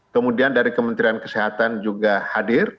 kemudian dari kementerian kesehatan juga hadir